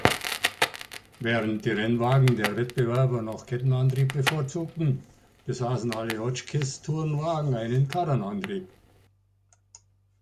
Während die Rennwagen der Wettbewerber noch Kettenantrieb bevorzugten, besaßen alle Hotchkiss-Tourenwagen einen Kardanantrieb.